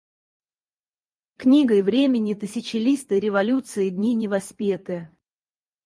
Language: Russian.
Книгой времени тысячелистой революции дни не воспеты.